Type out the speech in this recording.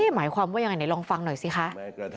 หมายความว่ายังไงไหนลองฟังหน่อยสิคะ